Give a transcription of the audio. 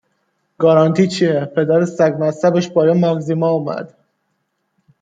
گارانتی چیه؟ پدر سگ مصبش با یه ماگزیما اومد